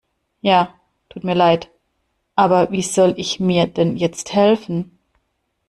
Ja, tut mir leid, aber wie soll ich mir denn jetzt helfen?